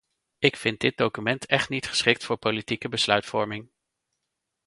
Ik vind dit document echt niet geschikt voor politieke besluitvorming!